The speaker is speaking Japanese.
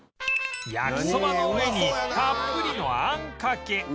やきそばの上にたっぷりのあんかけ